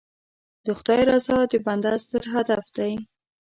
د خدای رضا د بنده ستر هدف دی.